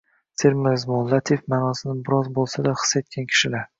sermazmun, latif ma’nosini biroz bo‘lsada his etgan kishilar